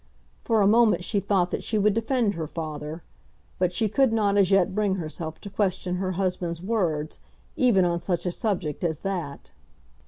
For a moment she thought that she would defend her father; but she could not as yet bring herself to question her husband's words even on such a subject as that.